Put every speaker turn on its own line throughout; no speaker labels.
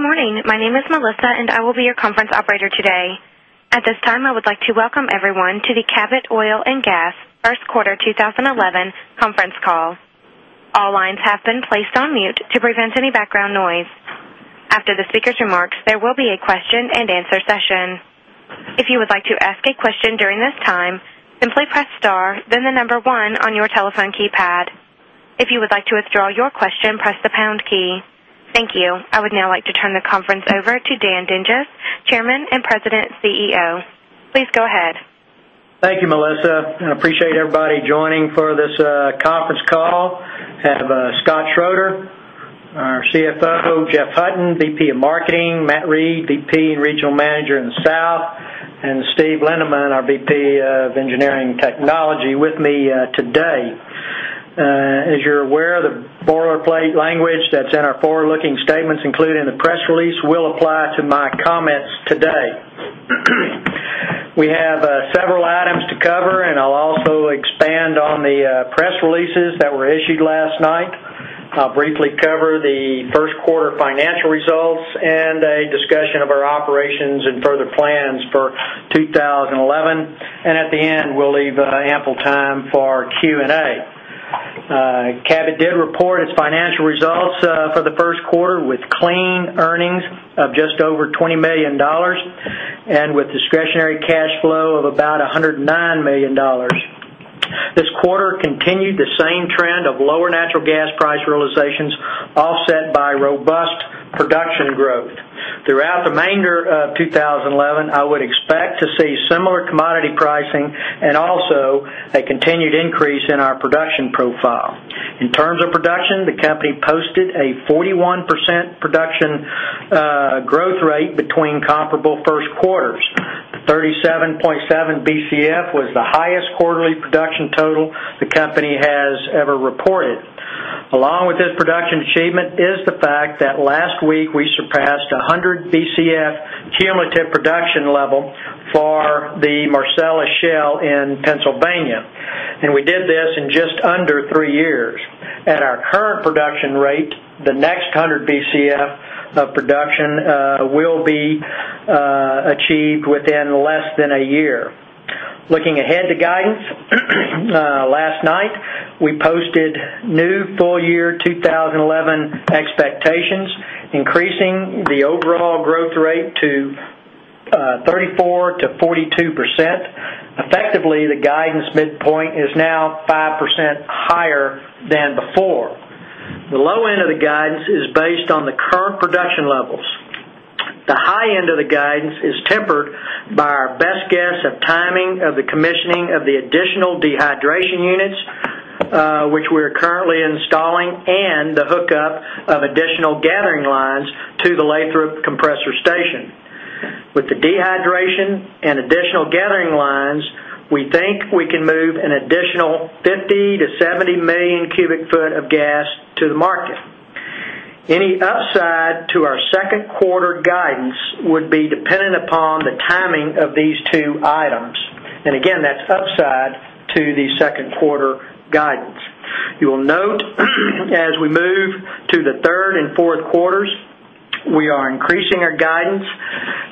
Good morning. My name is Melissa, and I will be your Conference Operator today. At this time, I would like to welcome everyone to the Cabot Oil & Gas First Quarter 2011 Conference Call. All lines have been placed on mute to prevent any background noise. After the speaker's remarks, there will be a question and answer session. If you would like to ask a question during this time, simply press star, then the number one on your telephone keypad. If you would like to withdraw your question, press the pound key. Thank you. I would now like to turn the conference over to Dan Dinges, Chairman, President, and CEO. Please go ahead.
Thank you, Melissa, and I appreciate everybody joining for this conference call. I have Scott Schroeder, our CFO; Jeff Hutton, VP of Marketing; Matt Reid, VP and Regional Manager in the South; and Steve Lindeman, our VP of Engineering and Technology, with me today. As you're aware, the boilerplate language that's in our forward-looking statements, including the press release, will apply to my comments today. We have several items to cover, and I'll also expand on the press releases that were issued last night. I'll briefly cover the first quarter financial results and a discussion of our operations and further plans for 2011. At the end, we'll leave ample time for Q&A. Cabot did report its financial results for the first quarter with clean earnings of just over $20 million and with discretionary cash flow of about $109 million. This quarter continued the same trend of lower natural gas price realizations, offset by robust production growth. Throughout the remainder of 2011, I would expect to see similar commodity pricing and also a continued increase in our production profile. In terms of production, the company posted a 41% production growth rate between comparable first quarters. The 37.7 Bcf was the highest quarterly production total the company has ever reported. Along with this production achievement is the fact that last week we surpassed 100 Bcf cumulative production level for the Marcellus Shale in Pennsylvania, and we did this in just under three years. At our current production rate, the next 100 Bcf of production will be achieved within less than a year. Looking ahead to guidance, last night we posted new full-year 2011 expectations, increasing the overall growth rate to 34%-42%. Effectively, the guidance midpoint is now 5% higher than before. The low end of the guidance is based on the current production levels. The high end of the guidance is tempered by our best guess of timing of the commissioning of the additional dehydration units, which we are currently installing, and the hookup of additional gathering lines to the Lathrop compressor station. With the dehydration and additional gathering lines, we think we can move an additional 50 MMcf-70 MMcf of gas to the market. Any upside to our second quarter guidance would be dependent upon the timing of these two items. Again, that's upside to the second quarter guidance. You will note as we move to the third and fourth quarters, we are increasing our guidance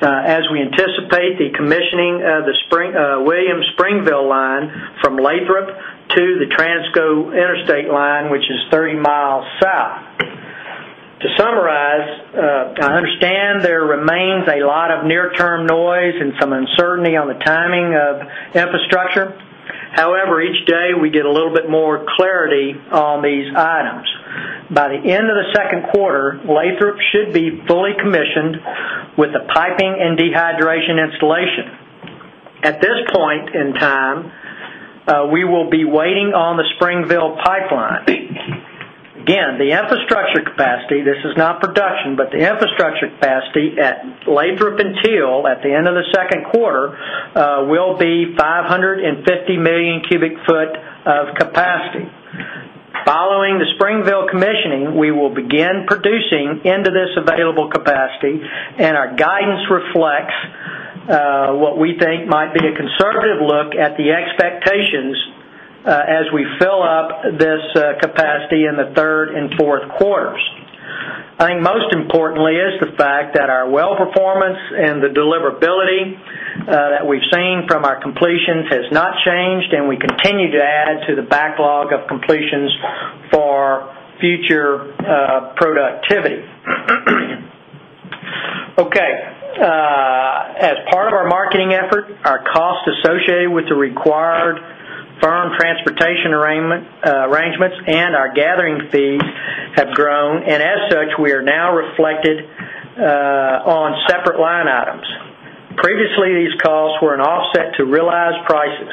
as we anticipate the commissioning of the Williams-Springville line from Lathrop to the TransCo Interstate line, which is 30 mi south. To summarize, I understand there remains a lot of near-term noise and some uncertainty on the timing of infrastructure. However, each day we get a little bit more clarity on these items. By the end of the second quarter, Lathrop should be fully commissioned with the piping and dehydration installation. At this point in time, we will be waiting on the Springville pipeline. Again, the infrastructure capacity, this is not production, but the infrastructure capacity at Lathrop and Teal at the end of the second quarter will be 550 MMcf of capacity. Following the Springville commissioning, we will begin producing into this available capacity, and our guidance reflects what we think might be a conservative look at the expectations as we fill up this capacity in the third and fourth quarters. I think most importantly is the fact that our well performance and the deliverability that we've seen from our completions has not changed, and we continue to add to the backlog of completions for future productivity. Okay. As part of our marketing effort, our costs associated with the required firm transportation arrangements and our gathering fees have grown, and as such, we are now reflected on separate line items. Previously, these costs were an offset to realized prices.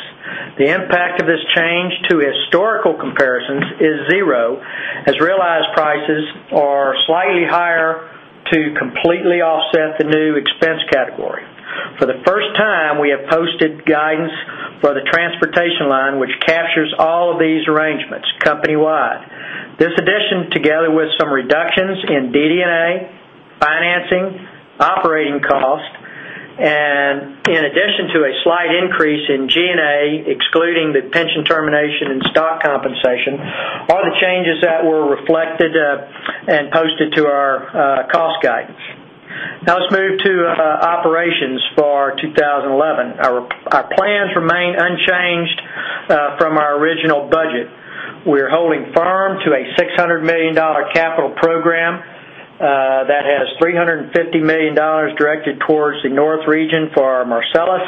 The impact of this change to historical comparisons is zero, as realized prices are slightly higher to completely offset the new expense category. For the first time, we have posted guidance for the transportation line, which captures all of these arrangements company-wide. This addition, together with some reductions in DD&A, financing, operating costs, and in addition to a slight increase in G&A, excluding the pension termination and stock compensation, are the changes that were reflected and posted to our cost guidance. Now let's move to operations for 2011. Our plans remain unchanged from our original budget. We are holding firm to a $600 million capital program that has $350 million directed towards the North Region for Marcellus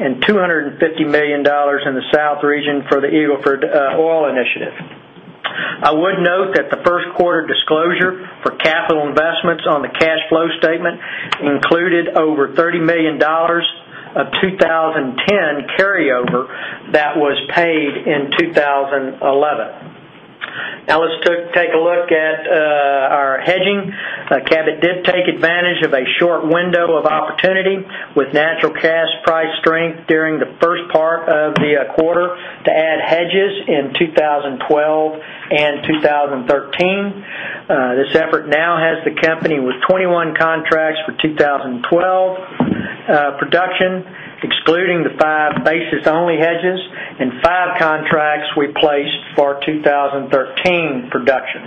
and $250 million in the South Region for the Eagle Ford Oil Initiative. I would note that the first quarter disclosure for capital investments on the cash flow statement included over $30 million of 2010 carryover that was paid in 2011. Now let's take a look at our hedging. Cabot did take advantage of a short window of opportunity with natural gas price strength during the first part of the quarter to add hedges in 2012 and 2013. This effort now has the company with 21 contracts for 2012 production, excluding the five basis-only hedges and five contracts we placed for 2013 production.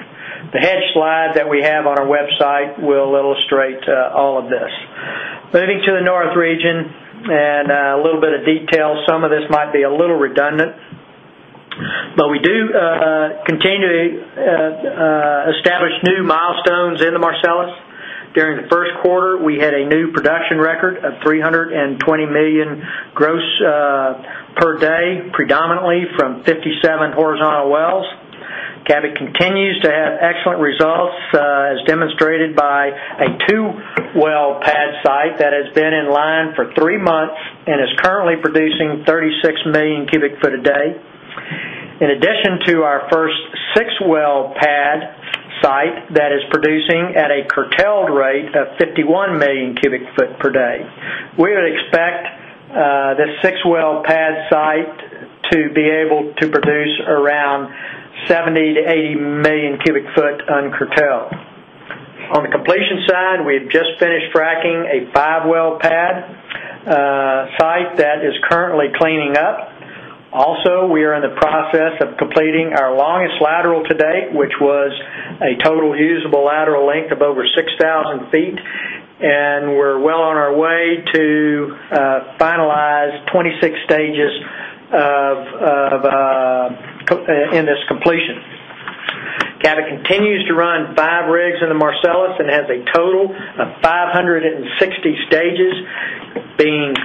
The hedge slide that we have on our website will illustrate all of this. Moving to the North Region and a little bit of detail, some of this might be a little redundant, but we do continue to establish new milestones in the Marcellus. During the first quarter, we had a new production record of 320 million gross per day, predominantly from 57 horizontal wells. Cabot continues to have excellent results, as demonstrated by a two-well pad site that has been in line for three months and is currently producing 36 MMcf a day. In addition to our first six-well pad site that is producing at a curtailed rate of 51 MMcf per day, we would expect this six-well pad site to be able to produce around 70 MMcf-80 MMcf uncurtailed. On the completion side, we have just finished fracking a five-well pad site that is currently cleaning up. Also, we are in the process of completing our longest lateral to date, which was a total usable lateral length of over 6,000 ft, and we're well on our way to finalize 26 stages in this completion. Cabot continues to run five rigs in the Marcellus and has a total of 560 stages being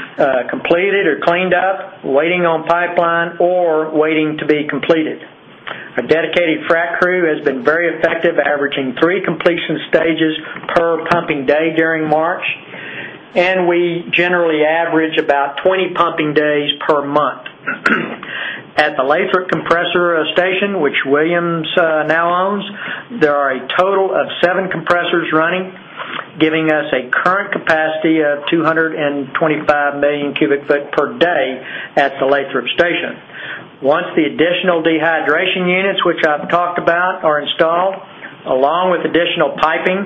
completed or cleaned up, waiting on pipeline or waiting to be completed. A dedicated frack crew has been very effective, averaging three completion stages per pumping day during March, and we generally average about 20 pumping days per month. At the Lathrop compressor station, which Williams now owns, there are a total of seven compressors running, giving us a current capacity of 225 MMcf per day at the Lathrop station. Once the additional dehydration units, which I've talked about, are installed, along with additional piping,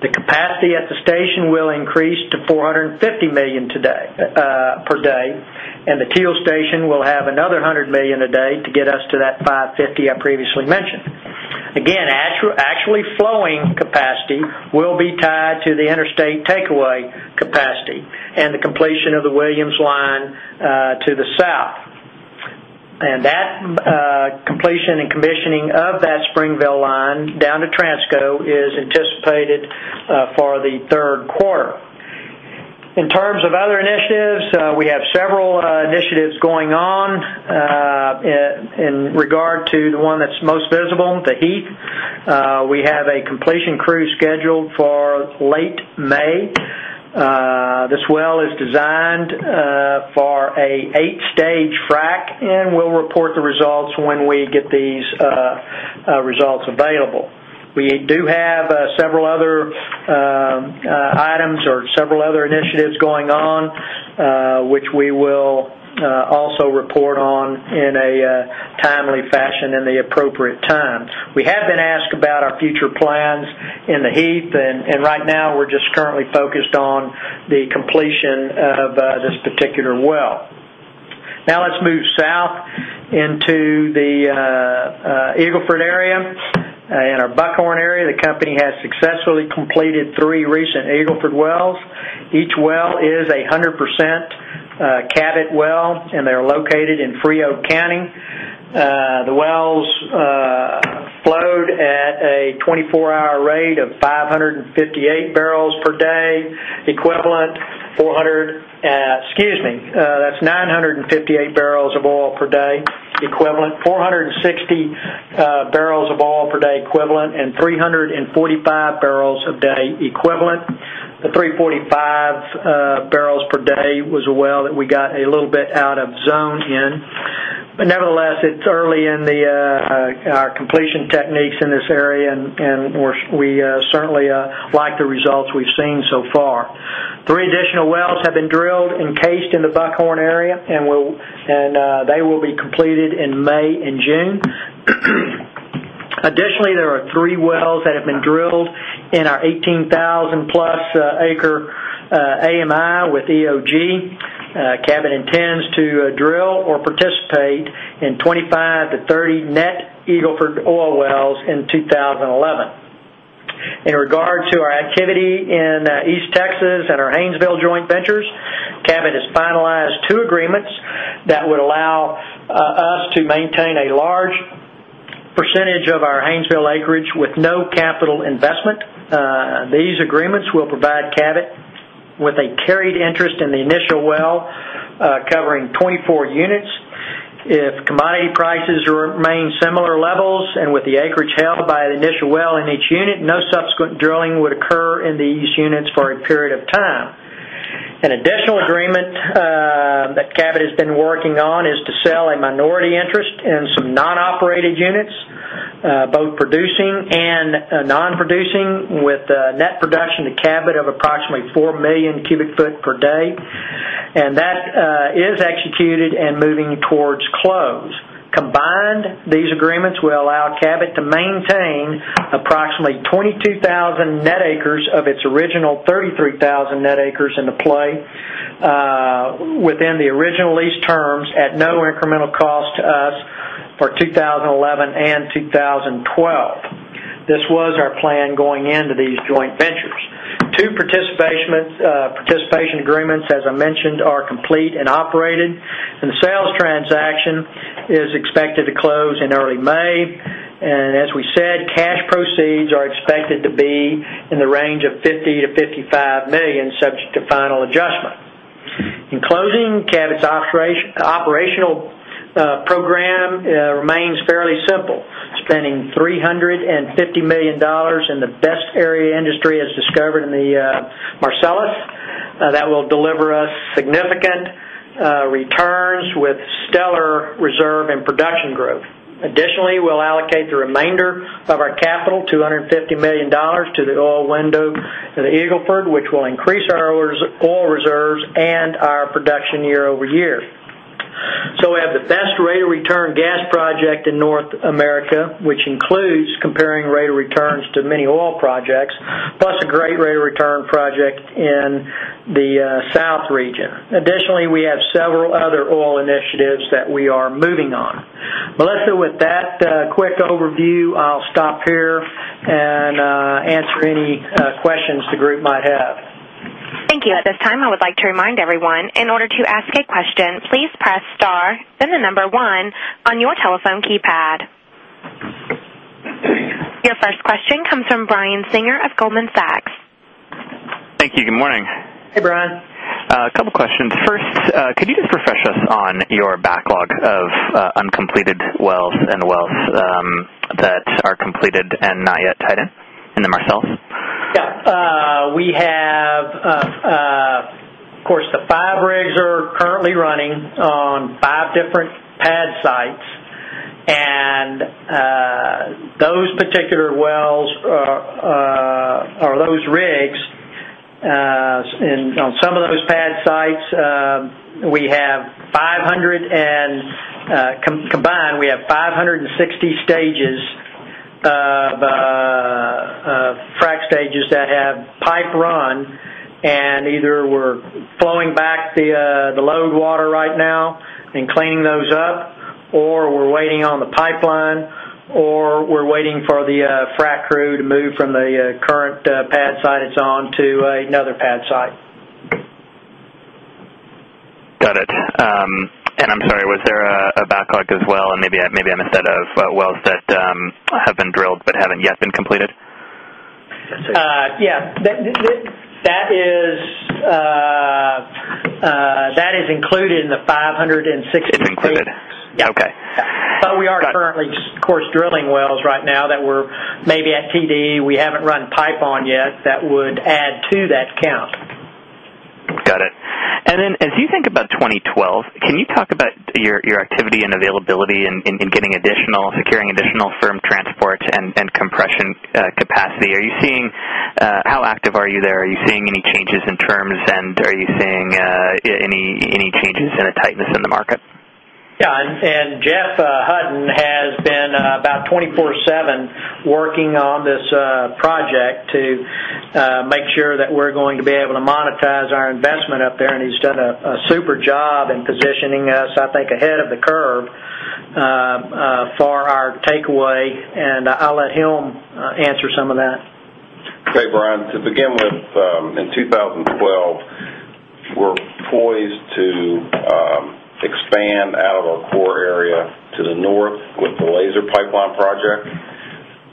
the capacity at the station will increase to 450 MMcf per day, and the Teal station will have another 100 million a day to get us to that 550 MMcf I previously mentioned. Actually, flowing capacity will be tied to the interstate takeaway capacity and the completion of the Williams-Springville pipeline to the south. That completion and commissioning of that Springville line down to TransCo is anticipated for the third quarter. In terms of other initiatives, we have several initiatives going on in regard to the one that's most visible, the Heath. We have a completion crew scheduled for late May. This well is designed for an eight-stage frack and will report the results when we get these results available. We do have several other items or several other initiatives going on, which we will also report on in a timely fashion in the appropriate time. We have been asked about our future plans in the Heath, and right now we're just currently focused on the completion of this particular well. Now let's move south into the Eagle Ford area. In our Buckhorn area, the company has successfully completed three recent Eagle Ford wells. Each well is a 100% Cabot well, and they're located in Free Oak County. The wells flowed at a 24-hour rate of 558 boe/d, 400, excuse me, that's 958 boe/d, 460 boe/d, and 345 boe/d. The 345 bpd was a well that we got a little bit out of zone in. Nevertheless, it's early in our completion techniques in this area, and we certainly like the results we've seen so far. Three additional wells have been drilled and cased in the Buckhorn area, and they will be completed in May and June. Additionally, there are three wells that have been drilled in our 18,000+ acres AMI with EOG. Cabot intends to drill or participate in 25-30 net Eagle Ford oil wells in 2011. In regard to our activity in East Texas and our Haynesville joint ventures, Cabot has finalized two agreements that would allow us to maintain a large percentage of our Haynesville acreage with no capital investment. These agreements will provide Cabot with a carried interest in the initial well, covering 24 units. If commodity prices remain at similar levels and with the acreage held by the initial well in each unit, no subsequent drilling would occur in these units for a period of time. An additional agreement that Cabot has been working on is to sell a minority interest in some non-operated units, both producing and non-producing, with net production to Cabot of approximately 4 MMcf per day. That is executed and moving towards close. Combined, these agreements will allow Cabot to maintain approximately 22,000 net acres of its original 33,000 net acres in the play within the original lease terms at no incremental cost for 2011 and 2012. This was our plan going into these joint ventures. Two participation agreements, as I mentioned, are complete and operated, and the sales transaction is expected to close in early May. Cash proceeds are expected to be in the range of $50 million-$55 million, subject to final adjustment. In closing, Cabot's operational program remains fairly simple, spending $350 million in the best area industry has discovered in the Marcellus that will deliver us significant returns with stellar reserve and production growth. Additionally, we'll allocate the remainder of our capital, $250 million, to the oil window in the Eagle Ford, which will increase our oil reserves and our production year-over-year. We have the best rate of return gas project in North America, which includes comparing rate of returns to many oil projects, plus a great rate of return project in the South Region. Additionally, we have several other oil initiatives that we are moving on. Melissa, with that quick overview, I'll stop here and answer any questions the group might have.
Thank you. At this time, I would like to remind everyone, in order to ask a question, please press star, then the number one on your telephone keypad. Your first question comes from Brian Singer of Goldman Sachs.
Thank you. Good morning.
Hey, Brian.
A couple of questions. First, could you just refresh us on your backlog of uncompleted wells and wells that are completed and not yet tied in in the Marcellus?
Yeah. We have, of course, the five rigs are currently running on five different pad sites, and those particular wells or those rigs on some of those pad sites, we have 500 stages and combined, we have 560 stages, fracked stages that have pipe run. Either we're flowing back the load water right now and cleaning those up, or we're waiting on the pipeline, or we're waiting for the frack crew to move from the current pad site it's on to another pad site.
Got it. I'm sorry, was there a backlog as well, and maybe I missed that, of wells that have been drilled but haven't yet been completed?
Yeah, that is included in the 560 stages.
Included.
Yeah.
Okay.
We are currently, of course, drilling wells right now that we're maybe at TD we haven't run pipe on yet that would add to that count.
Got it. As you think about 2012, can you talk about your activity and availability in getting additional, securing additional firm transport and compression capacity? Are you seeing, how active are you there? Are you seeing any changes in terms then? Are you seeing any changes in the tightness in the market?
Yeah. Jeff Hutton has been about 24/7 working on this project to make sure that we're going to be able to monetize our investment up there, and he's done a super job in positioning us, I think, ahead of the curve for our takeaway. I'll let him answer some of that.
Hey, Brian. To begin with, in 2012, we're poised to expand out of our core area to the north with the Laser pipeline project.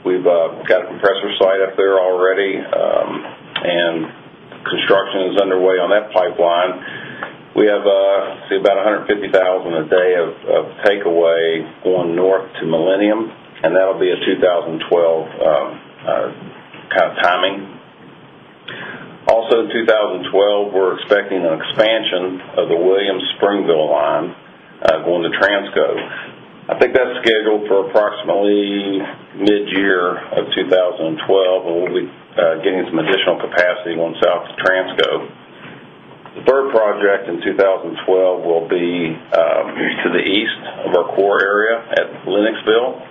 We've got a compressor site up there already, and construction is underway on that pipeline. We have, I see, about 150,000 a day of takeaway going north to Millennium, and that'll be a 2012 kind of timing. Also, in 2012, we're expecting an expansion of the Williams-Springville line going to TransCo. I think that's scheduled for approximately mid-year of 2012, and we'll be getting some additional capacity going south to TransCo. The third project in 2012 will be to the east of our core area at Lenoxville.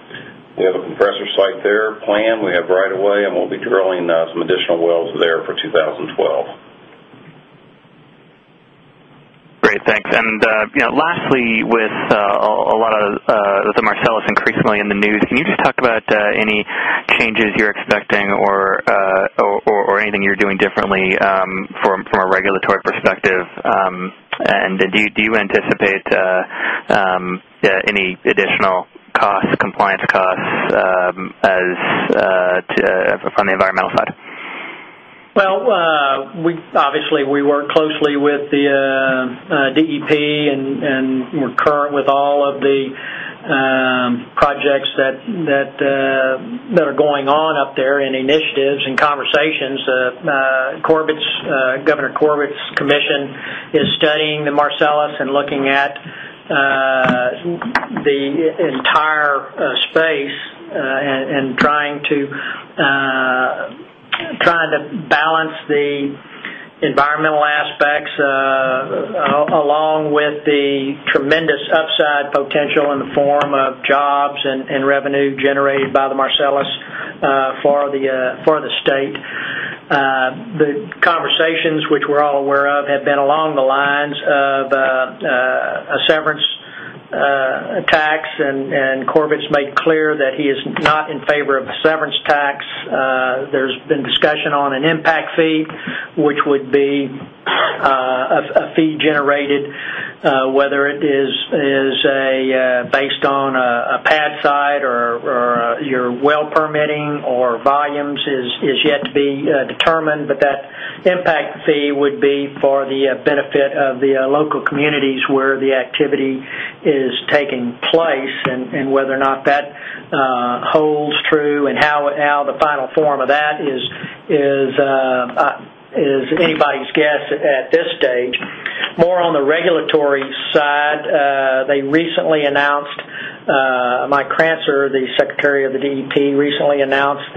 We have a compressor site there planned, we have right of way, and we'll be drilling some additional wells there for 2012.
Great. Thanks. Lastly, with a lot of the Marcellus increasingly in the news, can you just talk about any changes you're expecting or anything you're doing differently from a regulatory perspective? Do you anticipate any additional costs of compliance or costs on the environmental side?
Obviously, we work closely with the DEP, and we're current with all of the projects that are going on up there and initiatives and conversations. Governor Corbett's commission is studying the Marcellus and looking at the entire space and trying to balance the environmental aspects along with the tremendous upside potential in the form of jobs and revenue generated by the Marcellus for the state. The conversations, which we're all aware of, have been along the lines of a severance tax, and Corbett's made clear that he is not in favor of a severance tax. There's been discussion on an impact fee, which would be a fee generated whether it is based on a pad site or your well permitting or volumes is yet to be determined. That impact fee would be for the benefit of the local communities where the activity is taking place and whether or not that holds true and how the final form of that is anybody's guess at this stage. More on the regulatory side, they recently announced, Mike Krancer, the Secretary of the DEP, recently announced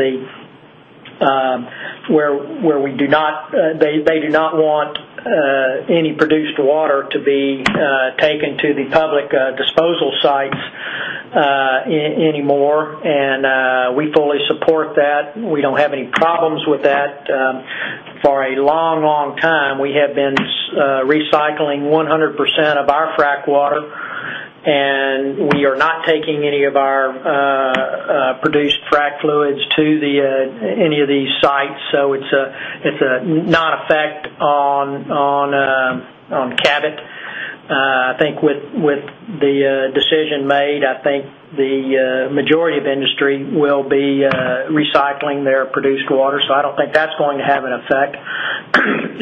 where we do not, they do not want any produced water to be taken to the public disposal sites anymore, and we fully support that. We don't have any problems with that. For a long, long time, we have been recycling 100% of our frack water, and we are not taking any of our produced frack fluids to any of these sites. It's not a fact on Cabot. I think with the decision made, I think the majority of industry will be recycling their produced water. I don't think that's going to have an effect.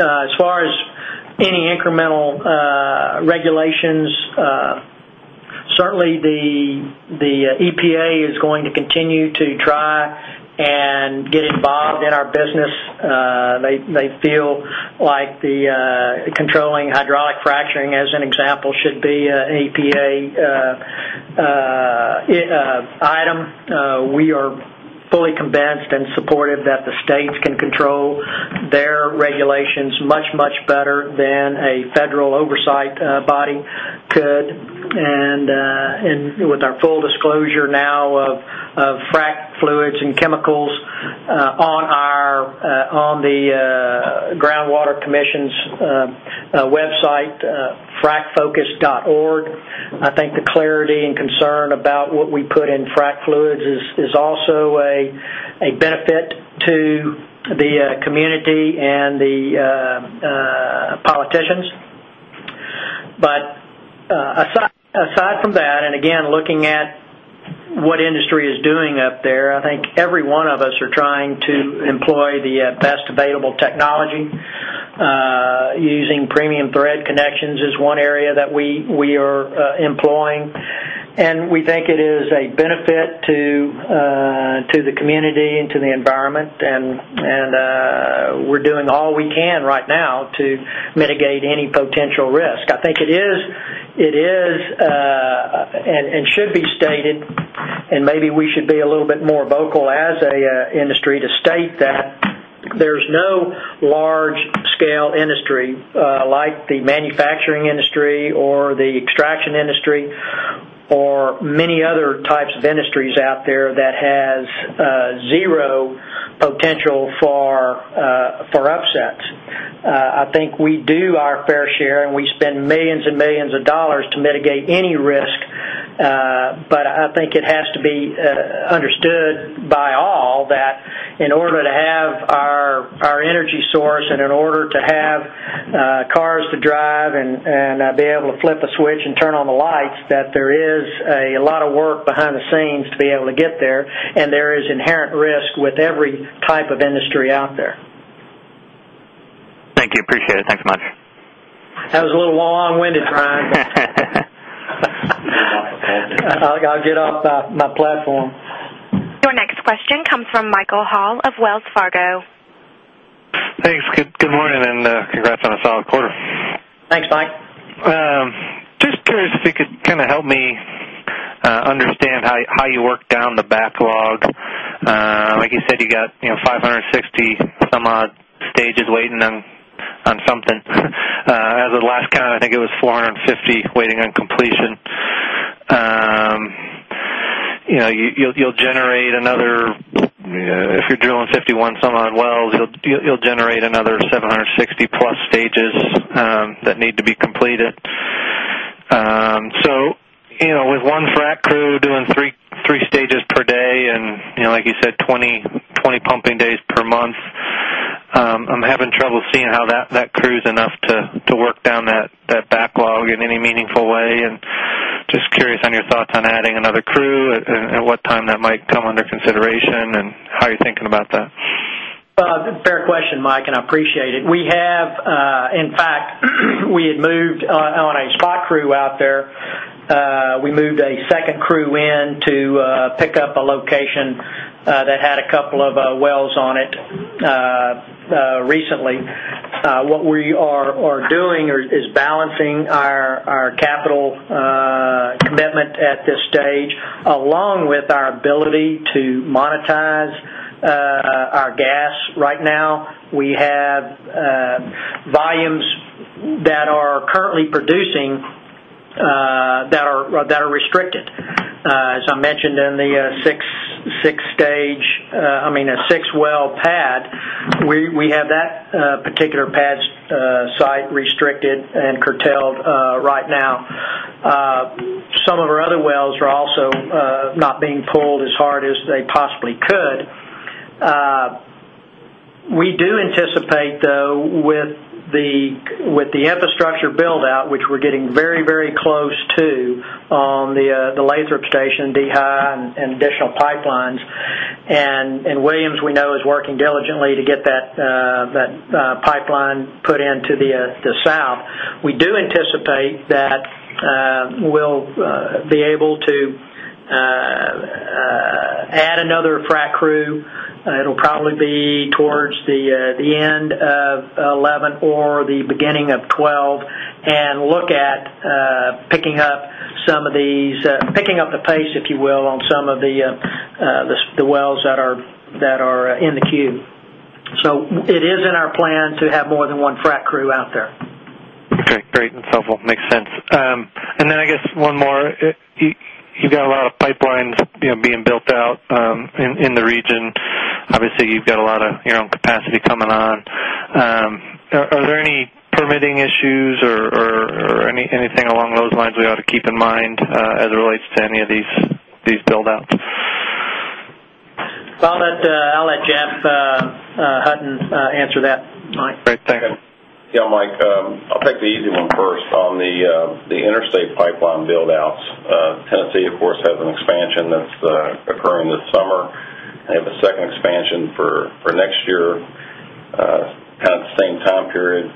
As far as any incremental regulations, certainly the EPA is going to continue to try and get involved in our business. They feel like the controlling hydraulic fracturing, as an example, should be an EPA item. We are fully convinced and supportive that the states can control their regulations much, much better than a federal oversight body could. With our full disclosure now of frack fluids and chemicals on the Groundwater Commission's website, frackfocus.org, I think the clarity and concern about what we put in frack fluids is also a benefit to the community and the politicians. Aside from that, and again, looking at what industry is doing up there, I think every one of us are trying to employ the best available technology. Using premium thread connections is one area that we are employing, and we think it is a benefit to the community and to the environment. We are doing all we can right now to mitigate any potential risk. It is and should be stated, and maybe we should be a little bit more vocal as an industry to state that there's no large-scale industry like the manufacturing industry or the extraction industry or many other types of industries out there that has zero potential for upsets. We do our fair share, and we spend millions and millions of dollars to mitigate any risk. It has to be understood by all that in order to have our energy source and in order to have cars to drive and be able to flip a switch and turn on the lights, there is a lot of work behind the scenes to be able to get there, and there is inherent risk with every type of industry out there.
Thank you. Appreciate it. Thanks so much.
That was a little long-winded, Brian, but I'll get off my platform.
Your next question comes from Michael Hall of Wells Fargo.
Thanks. Good morning and congrats on the final quarter.
Thanks, Mike.
Just curious if you could kind of help me understand how you work down the backlog. Like you said, you got 560 some-odd stages waiting on something. As of last count, I think it was 450 waiting on completion. You'll generate another, if you're drilling 51 some-odd wells, you'll generate another 760+ stages that need to be completed. With one frack crew doing three stages per day and, like you said, 20 pumping days per month, I'm having trouble seeing how that crew's enough to work down that backlog in any meaningful way. Just curious on your thoughts on adding another crew and what time that might come under consideration and how you're thinking about that.
Good, fair question, Mike, and I appreciate it. We have, in fact, moved a spot crew out there. We moved a second crew in to pick up a location that had a couple of wells on it recently. What we are doing is balancing our capital commitment at this stage along with our ability to monetize our gas. Right now, we have volumes that are currently producing that are restricted. As I mentioned in the six-stage, I mean, a six-well pad, we have that particular pad site restricted and curtailed right now. Some of our other wells are also not being pulled as hard as they possibly could. We do anticipate with the infrastructure build-out, which we're getting very, very close to on the Lathrop compressor station, dehydration units, and additional pipelines. Williams, we know, is working diligently to get that pipeline put into the south. We do anticipate that we'll be able to add another frack crew. It'll probably be towards the end of 2011 or the beginning of 2012 and look at picking up some of these, picking up the pace, if you will, on some of the wells that are in the queue. It is in our plans to have more than one frack crew out there.
Okay. Great. It makes sense. I guess one more, you've got a lot of pipelines being built out in the region. Obviously, you've got a lot of capacity coming on. Are there any permitting issues or anything along those lines we ought to keep in mind as it relates to any of these build-outs?
I'll let Jeff Hutton answer that, Mike.
Great. Thanks.
Yeah, Mike, I'll take the easy one first. On the interstate pipeline build-outs, Tennessee, of course, has an expansion that's occurring this summer. They have a second expansion for next year, kind of the same time period.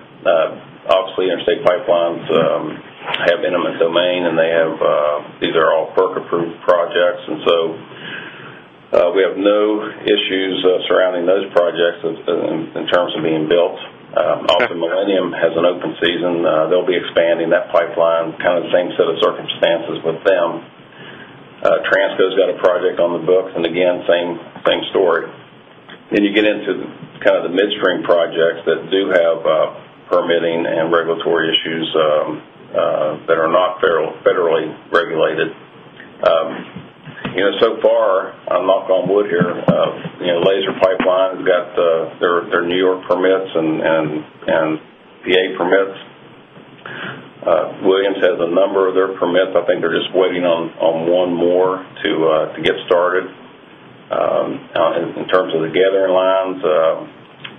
Obviously, interstate pipelines have eminent domain, and these are all FERC-approved projects. We have no issues surrounding those projects in terms of being built. Also, Millennium has an open season. They'll be expanding that pipeline, kind of the same set of circumstances with them. TransCo's got a project on the books, and again, same story. You get into kind of the midstream projects that do have permitting and regulatory issues that are not federally regulated. So far, I'm knocking on wood here. Laser pipeline has got their New York permits and PA permits. Williams has a number of their permits. I think they're just waiting on one more to get started. In terms of the gathering lines,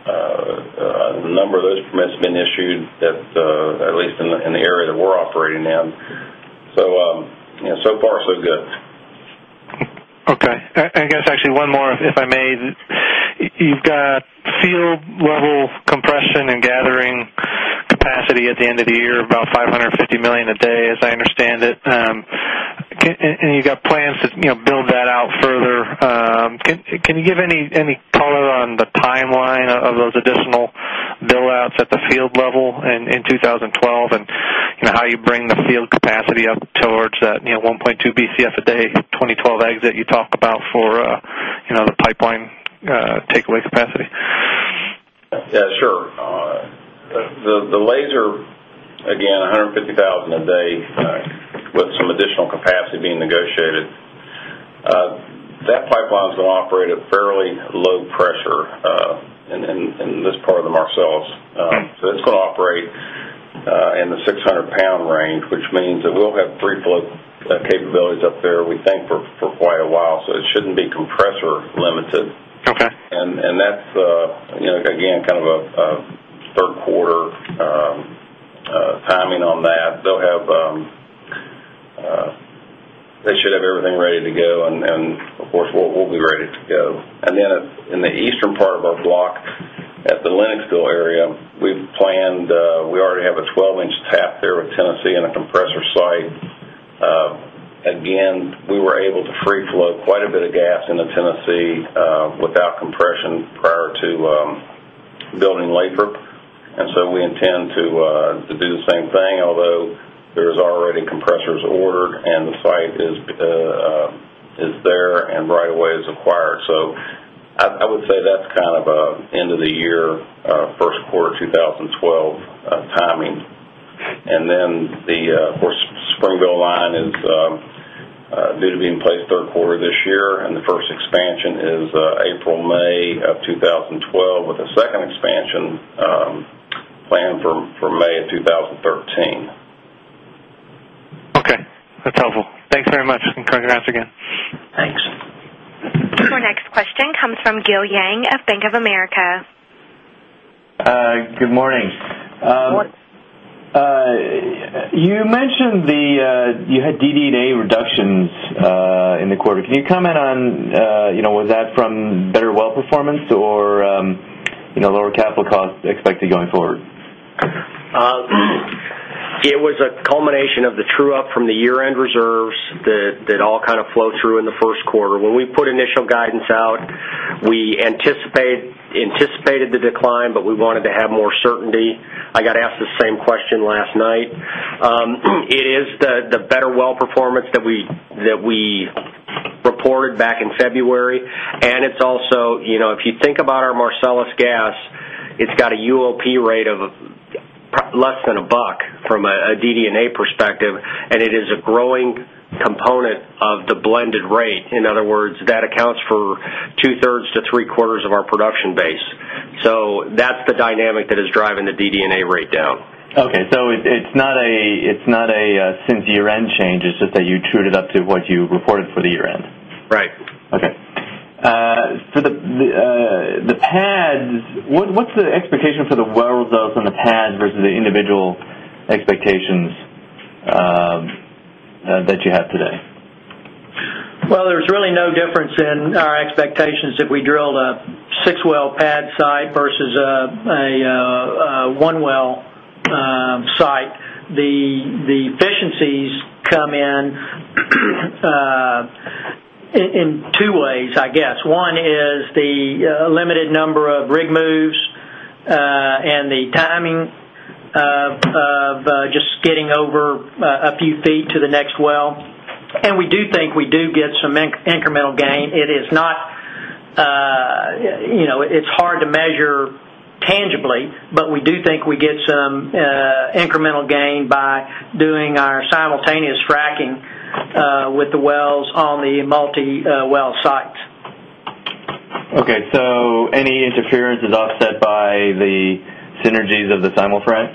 a number of those permits have been issued, at least in the area that we're operating in. So far, it's looking good.
Okay. I guess actually one more, if I may. You've got field-level compression and gathering capacity at the end of the year, about 550 million a day, as I understand it. You've got plans to build that out further. Can you give any color on the timeline of those additional build-outs at the field level in 2012 and how you bring the field capacity up towards that 1.2 Bcf a day 2012 exit you talked about for the pipeline takeaway capacity?
Yeah, sure. The laser, again, 150,000 a day with some additional capacity being negotiated. That pipeline's going to operate at fairly low pressure in this part of the Marcellus. It's going to operate in the 600 lbs range, which means it will have free float capabilities up there, we think, for quite a while. It shouldn't be compressor limited. That's, you know, again, kind of a third-quarter timing on that. They'll have, they should have everything ready to go, and of course, we'll be ready to go. In the eastern part of our block at the Lenoxville area, we've planned, we already have a 12 in tap there with Tennessee and a compressor site. We were able to free float quite a bit of gas into Tennessee without compression prior to building Lathrop. We intend to do the same thing, although there are already compressors ordered and the site is there and right of way is acquired. I would say that's kind of an end-of-the-year first quarter 2012 timing. The Springville line is due to be in place third quarter this year, and the first expansion is April, May of 2012, with a second expansion planned for May of 2013.
Okay, that's helpful. Thanks very much. Thanks for your time again.
Thanks.
Your next question comes from Gil Yang of Bank of America.
Good morning.
Morning.
You mentioned you had DD&A reductions in the quarter. Can you comment on whether that was from better well performance or lower capital costs expected going forward?
It was a culmination of the true-up from the year-end reserves that all kind of flowed through in the first quarter. When we put initial guidance out, we anticipated the decline, but we wanted to have more certainty. I got asked the same question last night. It is the better well performance that we reported back in February. It's also, you know, if you think about our Marcellus gas, it's got a UOP rate of less than $1 from a DD&A perspective, and it is a growing component of the blended rate. In other words, that accounts for 2/3-3/4 of our production base. That's the dynamic that is driving the DD&A rate down.
Okay. It's not a since-year-end change. It's just that you true it up to what you reported for the year-end?
Right.
Okay. For the pads, what's the expectation for the well reserves on the pads versus the individual expectations that you have today?
There is really no difference in our expectations if we drilled a six-well pad site versus a one-well site. The efficiencies come in in two ways, I guess. One is the limited number of rig moves and the timing of just getting over a few feet to the next well. We do think we do get some incremental gain. It is not, you know, it's hard to measure tangibly, but we do think we get some incremental gain by doing our simultaneous fracking with the wells on the multi-well sites.
Okay. Any interference is offset by the synergies of the simul-frac?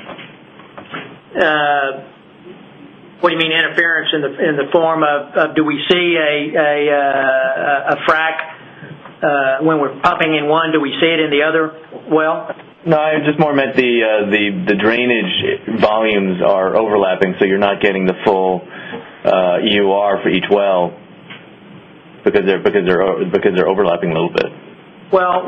What do you mean interference in the form of do we see a frac when we're pumping in one? Do we see it in the other well?
No, I just meant the drainage volumes are overlapping, so you're not getting the full EUR for each well because they're overlapping a little bit.
Right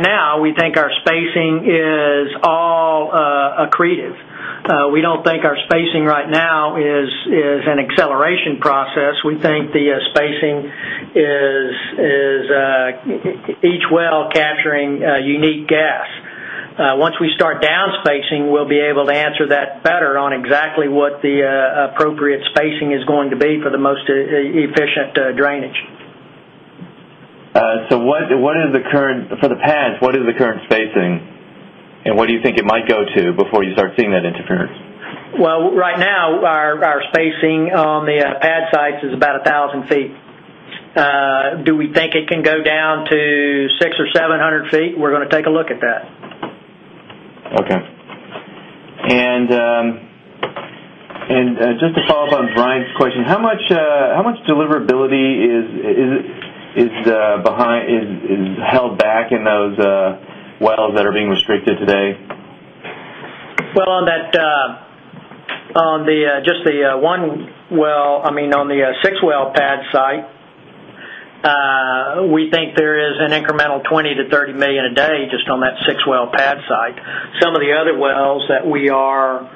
now, we think our spacing is all accretive. We don't think our spacing right now is an acceleration process. We think the spacing is each well capturing a unique gas. Once we start downspacing, we'll be able to answer that better on exactly what the appropriate spacing is going to be for the most efficient drainage.
What are the current, for the pads, what is the current spacing and what do you think it might go to before you start seeing that interference?
Right now, our spacing on the pad sites is about 1,000 ft. Do we think it can go down to 600 ft-700 ft? We're going to take a look at that.
Okay. Just to follow up on Brian's question, how much deliverability is held back in those wells that are being restricted today?
On just the one well, on the six-well pad site, we think there is an incremental 20 million-30 million a day just on that six-well pad site. Some of the other wells that we are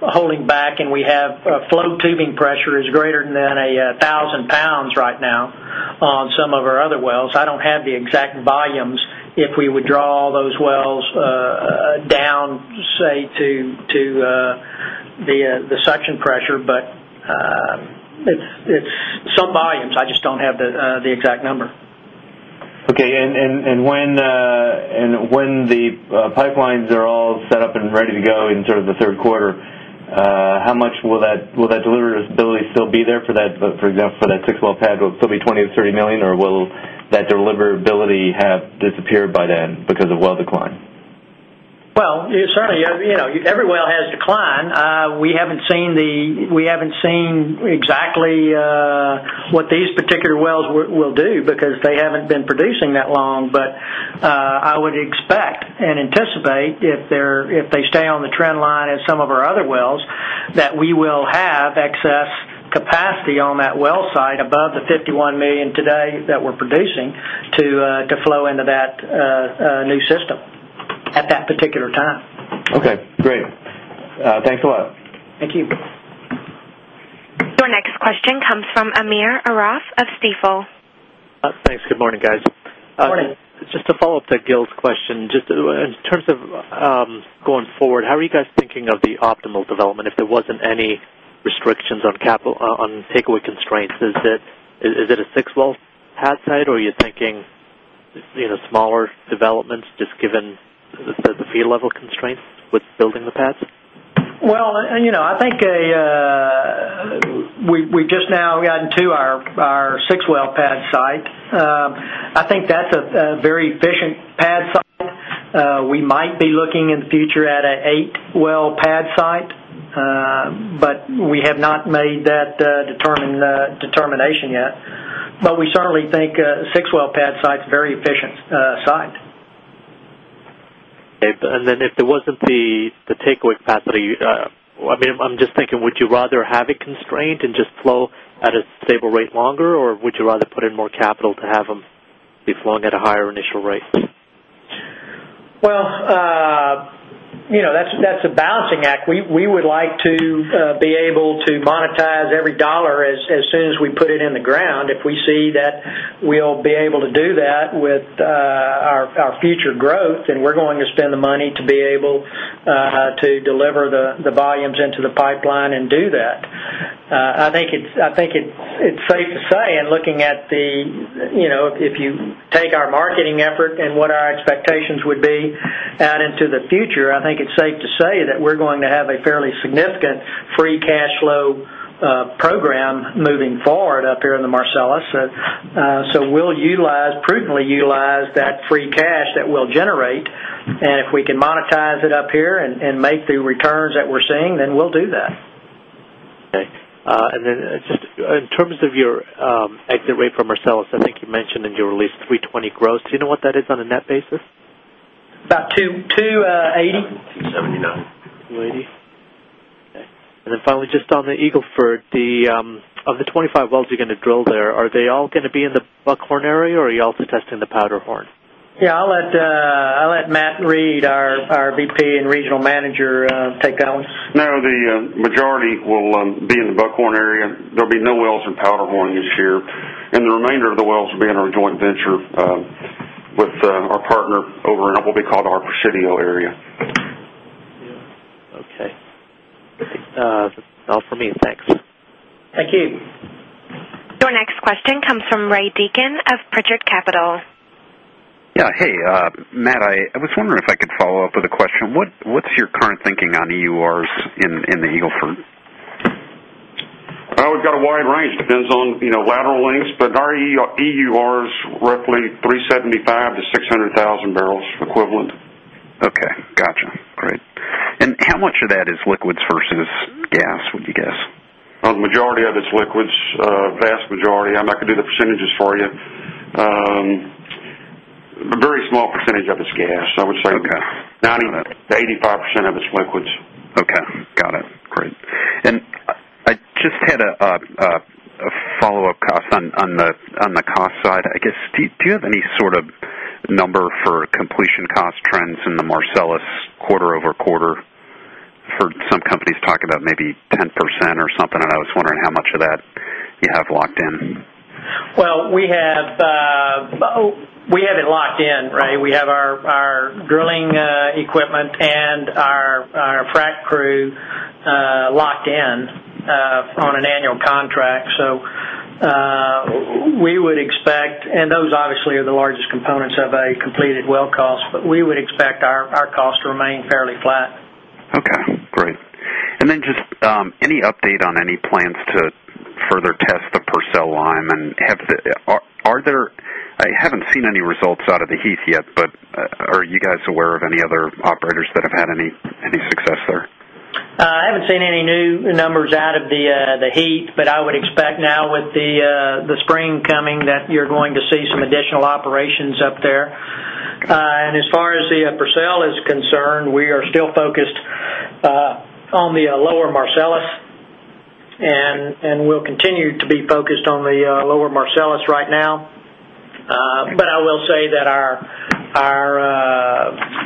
holding back have a flow tubing pressure greater than 1,000 lbs right now on some of our other wells. I don't have the exact volumes if we would draw all those wells down, say, to the suction pressure, but it's some volumes. I just don't have the exact number.
Okay. When the pipelines are all set up and ready to go in the third quarter, how much will that deliverability still be there for that, for example, for that six-well pad? Will it still be 20 million-30 million, or will that deliverability have disappeared by then because of well decline?
You certainly know every well has declined. We haven't seen exactly what these particular wells will do because they haven't been producing that long. I would expect and anticipate if they stay on the trend line as some of our other wells, that we will have excess capacity on that well site above the 51 million today that we're producing to flow into that new system at that particular time.
Okay, great. Thanks a lot.
Thank you.
Your next question comes from Amir Arif of Stifel.
Thanks. Good morning, guys.
Morning.
Just to follow up to Gil's question, just in terms of going forward, how are you guys thinking of the optimal development if there wasn't any restrictions on capital or takeaway constraints? Is it a six-well pad site, or are you thinking smaller developments just given the field-level constraints with building the pads?
I think we've just now gotten to our six-well pad site. I think that's a very efficient pad site. We might be looking in the future at an eight-well pad site, but we have not made that determination yet. We certainly think a six-well pad site is a very efficient site.
If there wasn't the takeaway capacity, I'm just thinking, would you rather have it constrained and just flow at a stable rate longer, or would you rather put in more capital to have them be flowing at a higher initial rate?
That's a balancing act. We would like to be able to monetize every dollar as soon as we put it in the ground. If we see that we'll be able to do that with our future growth, then we're going to spend the money to be able to deliver the volumes into the pipeline and do that. I think it's safe to say, if you take our marketing effort and what our expectations would be out into the future, I think it's safe to say that we're going to have a fairly significant free cash flow program moving forward up here in the Marcellus. We'll prudently utilize that free cash that we'll generate, and if we can monetize it up here and make the returns that we're seeing, then we'll do that.
Okay. In terms of your exit rate from Marcellus, I think you mentioned in your release 320 gross. Do you know what that is on a net basis?
About 280.
279.
Okay. Finally, just on the Eagle Ford, of the 25 wells you're going to drill there, are they all going to be in the Buckhorn area, or are you also testing the Powderhorn?
Yeah, I'll let Matt Reid, our Vice President and Regional Manager, take that one.
No, the majority will be in the Buckhorn area. There'll be no wells in Powderhorn this year. The remainder of the wells will be in our joint venture with our partner over in what we call our Presidio area.
Okay, that's all for me. Thanks.
Thank you.
Your next question comes from Ray Deacon of Pritchard Capital.
Yeah. Hey, Matt, I was wondering if I could follow up with a question. What's your current thinking on EURs in the Eagle Ford?
We've got a wide range. It depends on, you know, lateral lengths, but our EUR is roughly 375,000 bbl-600,000 bbl equivalent.
Gotcha. Great. How much of that is liquids versus gas, would you guess?
The majority of it's liquids, a vast majority. I'm not going to do the percentages for you. A very small percentage of it's gas, I would say.
Okay.
Not even 85% of its liquids.
Okay. Got it. Great. I just had a follow-up on the cost side. I guess, do you have any sort of number for completion cost trends in the Marcellus quarter over quarter? Some companies talk about maybe 10% or something, and I was wondering how much of that you have locked in.
We have it locked in, right? We have our drilling equipment and our frack crew locked in on an annual contract. We would expect, and those obviously are the largest components of a completed well cost, we would expect our cost to remain fairly flat.
Okay. Great. Any update on any plans to further test the Purcell line? Have there, I haven't seen any results out of the Heath yet, but are you guys aware of any other operators that have had any success there?
I haven't seen any new numbers out of the Heath, but I would expect now with the spring coming that you're going to see some additional operations up there. As far as the Purcell is concerned, we are still focused on the lower Marcellus, and we'll continue to be focused on the lower Marcellus right now. I will say that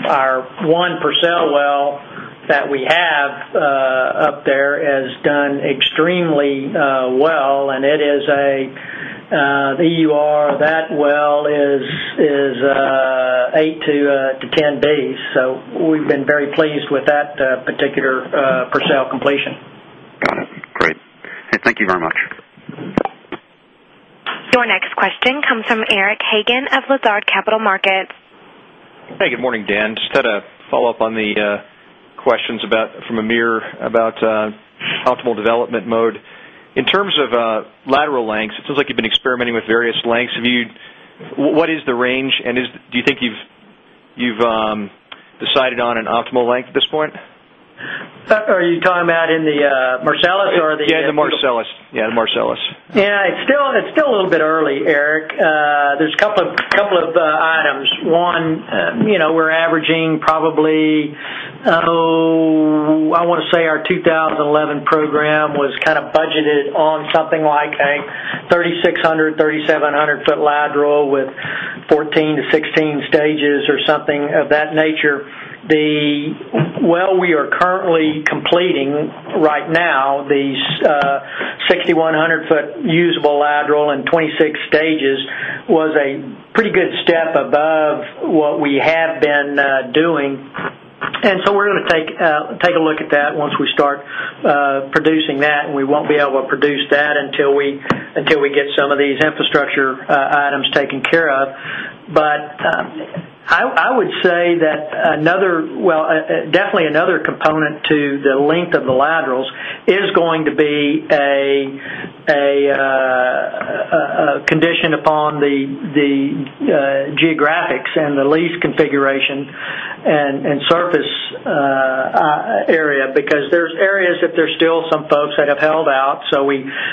our one Purcell well that we have up there has done extremely well, and it is an EUR. That well is 8 days-10 days, so we've been very pleased with that particular Purcell completion.
Great. Thank you very much.
Your next question comes from Eric Hagen of Lazard Capital Markets.
Hey, good morning, Dan. Just had a follow-up on the questions from Amir about optimal development mode. In terms of lateral lengths, it sounds like you've been experimenting with various lengths. What is the range, and do you think you've decided on an optimal length at this point?
Are you talking about in the Marcellus or the Haynesville?
Yeah, the Marcellus. Yeah, the Marcellus.
Yeah, it's still a little bit early, Eric. There's a couple of items. One, you know, we're averaging probably, oh, I want to say our 2011 program was kind of budgeted on something like a 3,600 ft, 3,700 ft lateral with 14-16 stages or something of that nature. The well we are currently completing right now, the 6,100 ft usable lateral and 26 stages, was a pretty good step above what we have been doing. We are going to take a look at that once we start producing that, and we won't be able to produce that until we get some of these infrastructure items taken care of. I would say that another, definitely another component to the length of the laterals is going to be a condition upon the geographics and the lease configuration and surface area because there's areas that there's still some folks that have held out.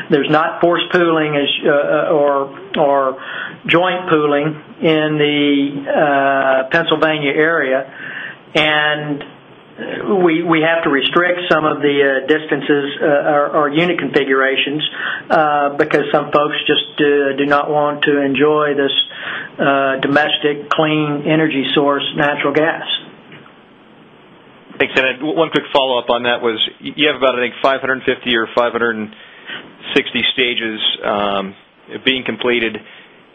There's not forced pooling or joint pooling in the Pennsylvania area. We have to restrict some of the distances or unit configurations because some folks just do not want to enjoy this domestic clean energy source, natural gas.
Thanks. One quick follow-up on that was you have about, I think, 550 or 560 stages being completed.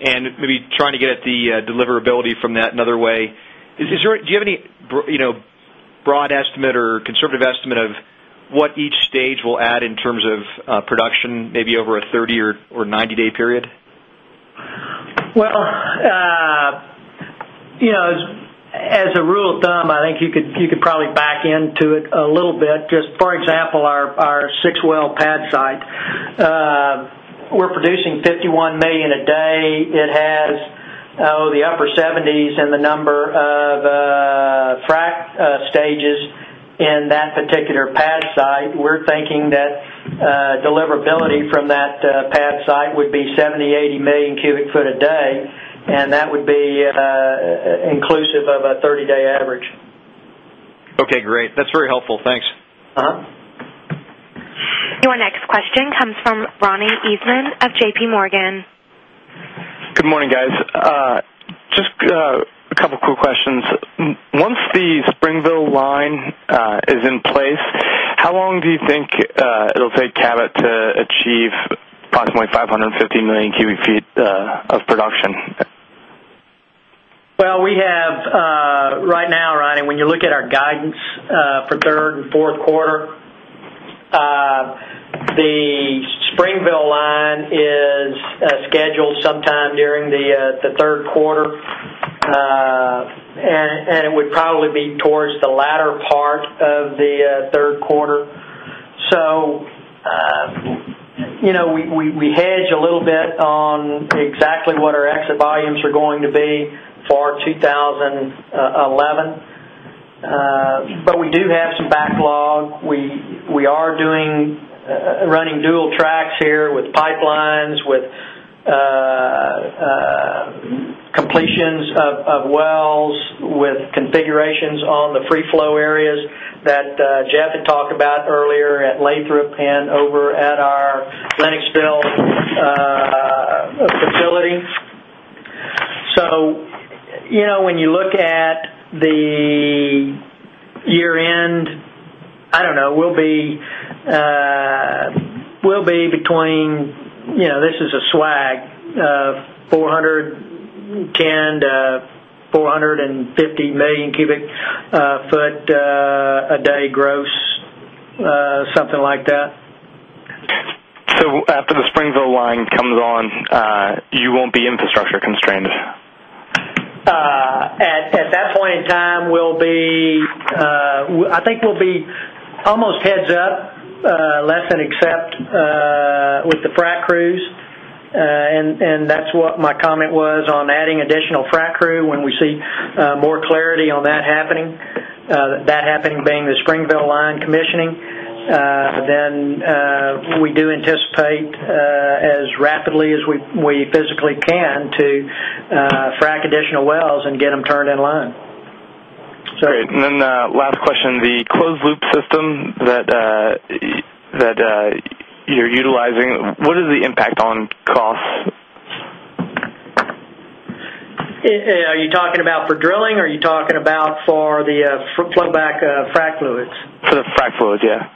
Maybe trying to get at the deliverability from that another way. Do you have any broad estimate or conservative estimate of what each stage will add in terms of production, maybe over a 30 or 90-day period?
I think you could probably back into it a little bit. For example, our six-well pad site, we're producing 51 million a day. It has the upper 70's in the number of frack stages in that particular pad site. We're thinking that deliverability from that pad site would be 70 MMcf, 80 MMcf a day, and that would be inclusive of a 30-day average.
Okay. Great. That's very helpful. Thanks.
Your next question comes from Ronnie Eisman of JPMorgan.
Good morning, guys. Just a couple of quick questions. Once the Williams-Springville pipeline is in place, how long do you think it'll take Cabot to achieve approximately 550 MMcf of production?
Right now, Ronnie, when you look at our guidance for the third and fourth quarter, the Williams-Springville pipeline is scheduled sometime during the third quarter, and it would probably be towards the latter part of the third quarter. You know we hedge a little bit on exactly what our exit volumes are going to be for 2011. We do have some backlog. We are running dual tracks here with pipelines, with completions of wells, with configurations on the free flow areas that Jeff had talked about earlier at the Lathrop compressor station and over at our Lenoxville facility. When you look at the year-end, I don't know, we'll be between, you know, this is a swag, 410 MMcf-450 MMcf a day gross, something like that.
After the Williams-Springville pipeline comes on, you won't be infrastructure constrained?
At that point in time, I think we'll be almost heads up, except with the frack crews. That's what my comment was on adding additional frack crew when we see more clarity on that happening. That happening being the Williams-Springville pipeline commissioning, we do anticipate as rapidly as we physically can to frack additional wells and get them turned in line.
Great. Last question, the closed-loop system that you're utilizing, what is the impact on costs?
Are you talking about for drilling, or are you talking about for the flowback frack fluids?
For the frack fluid, yeah.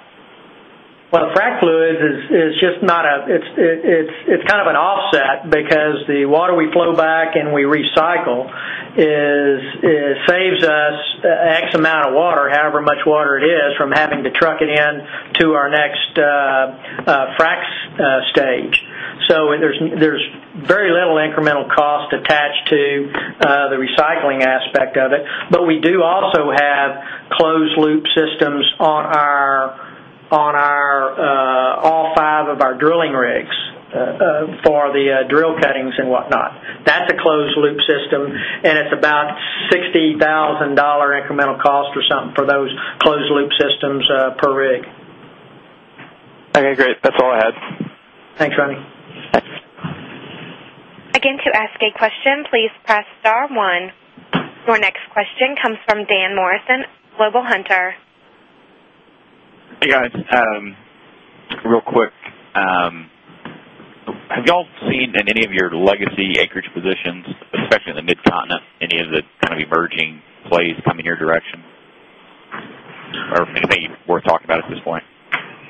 Frack fluid is just not a, it's kind of an offset because the water we flow back and we recycle saves us X amount of water, however much water it is, from having to truck it in to our next frack stage. There's very little incremental cost attached to the recycling aspect of it. We do also have closed-loop systems on all five of our drilling rigs for the drill cuttings and whatnot. That's a closed-loop system, and it's about $60,000 incremental cost or something for those closed-loop systems per rig.
Okay. Great. That's all I had.
Thanks, Ronnie.
Again, to ask a question, please press star one. Your next question comes from Dan Morrison, Global Hunter.
Hey, guys. Real quick, have y'all seen in any of your legacy acreage positions, especially in the Mid-Continent, any of the kind of emerging plays coming in your direction? Or maybe worth talking about at this point?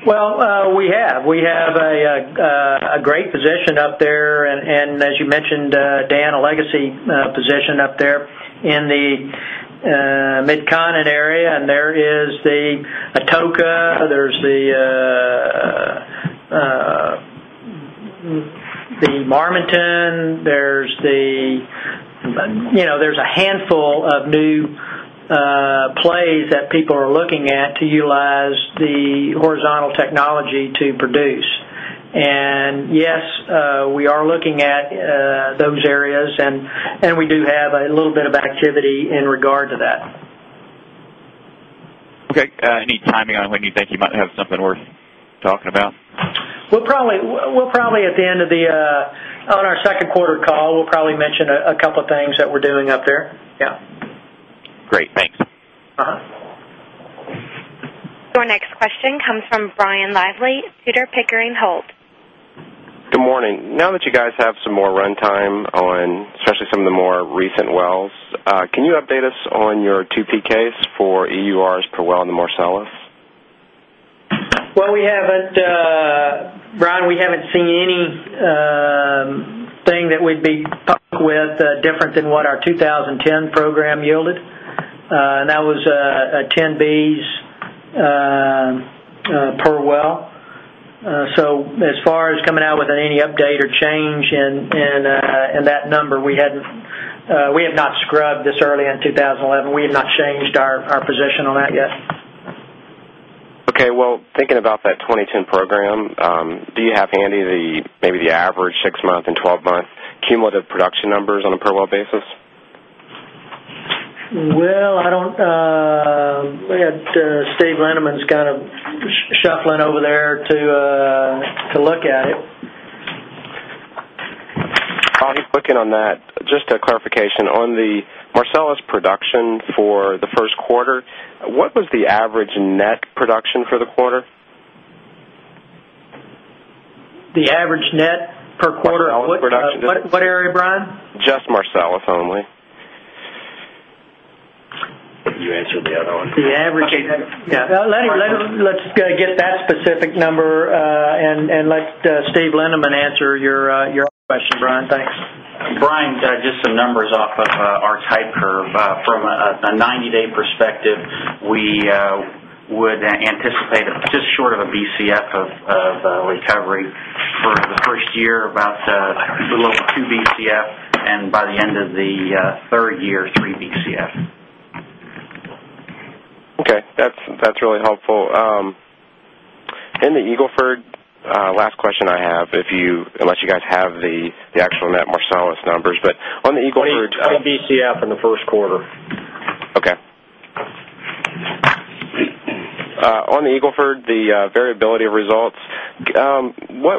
We have a great position up there, and as you mentioned, Dan, a legacy position up there in the Mid-Continent area. There is the Atoka, there's the Marmiton, there's a handful of new plays that people are looking at to utilize the horizontal technology to produce. Yes, we are looking at those areas, and we do have a little bit of activity in regard to that.
Okay. Any timing on when you think you might have something worth talking about?
At the end of our second quarter call, we'll probably mention a couple of things that we're doing up there.
Great. Thanks.
Your next question comes from Brian Lively, Pickering Energy Partners.
Good morning. Now that you guys have some more runtime on especially some of the more recent wells, can you update us on your 2P case for EURs per well in the Marcellus?
We haven't seen anything that would be different than what our 2010 program yielded, and that was a 10 Bcf per well. As far as coming out with any update or change in that number, we have not scrubbed this early in 2011. We have not changed our position on that yet.
Okay. Thinking about that 2010 program, do you have handy maybe the average 6-month and 12-month cumulative production numbers on a per-well basis?
I don't, we had Steve Lindeman's kind of shuffling over there to look at it.
While he's looking on that, just a clarification on the Marcellus production for the first quarter, what was the average net production for the quarter?
The average net per quarter of what production, what area, Brian?
Just Marcellus only. You answered the other one.
The average.
Okay. Yeah.
Let's get that specific number and let Steve Lindeman answer your question, Brian. Thanks.
Brian, just some numbers off of our type curve. From a 90-day perspective, we would anticipate just short of a Bcf of recovery for the first year, about below 2 Bcf, and by the end of the third year, 3 Bcf.
Okay. That's really helpful. In the Eagle Ford, last question I have, unless you guys have the actual net Marcellus numbers, on the Eagle Ford.
We hit 20 Bcf.
In the first quarter.
Okay. On the Eagle Ford, the variability of results,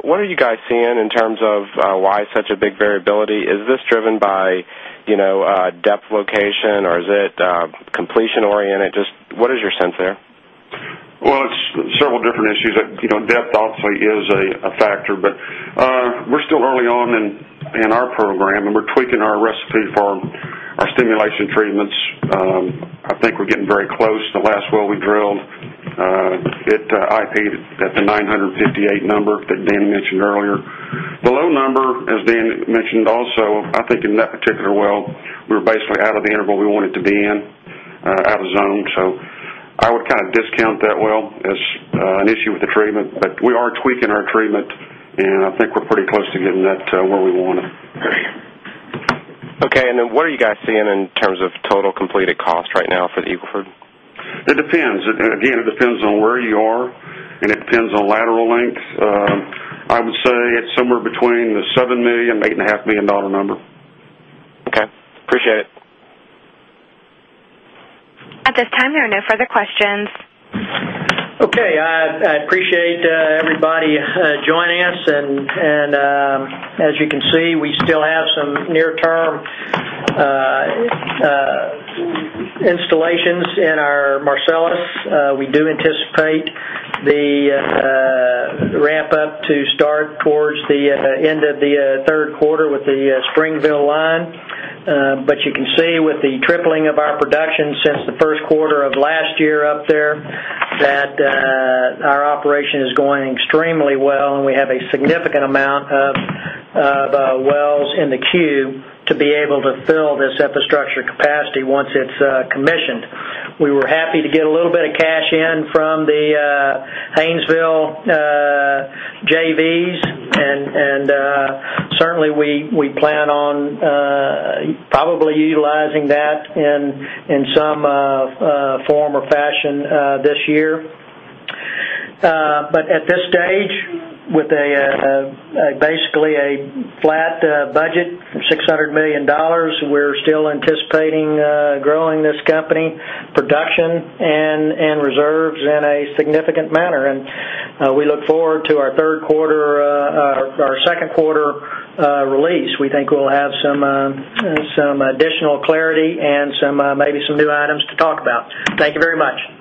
what are you guys seeing in terms of why such a big variability? Is this driven by, you know, depth location, or is it completion-oriented? Just what is your sense there?
It's several different issues. Depth obviously is a factor, but we're still early on in our program, and we're tweaking our recipe for our stimulation treatments. I think we're getting very close. The last well we drilled, it IP'd at the 958 number that Dan mentioned earlier. The low number, as Dan mentioned also, I think in that particular well, we were basically out of the interval we wanted to be in, out of zone. I would kind of discount that well as an issue with the treatment. We are tweaking our treatment, and I think we're pretty close to getting that to where we wanted.
Okay. What are you guys seeing in terms of total completed costs right now for the Eagle Ford?
It depends. Again, it depends on where you are, and it depends on lateral lengths. I would say it's somewhere between the $7 million and $8.5 million number.
Okay, appreciate it.
At this time, there are no further questions.
Okay. I appreciate everybody joining us. As you can see, we still have some near-term installations in our Marcellus. We do anticipate the ramp-up to start towards the end of the third quarter with the Williams-Springville pipeline. You can see with the tripling of our production since the first quarter of last year up there that our operation is going extremely well, and we have a significant amount of wells in the queue to be able to fill this infrastructure capacity once it's commissioned. We were happy to get a little bit of cash in from the Haynesville JVs, and certainly, we plan on probably utilizing that in some form or fashion this year. At this stage, with basically a flat budget of $600 million, we're still anticipating growing this company production and reserves in a significant manner. We look forward to our second quarter release. We think we'll have some additional clarity and maybe some new items to talk about. Thank you very much.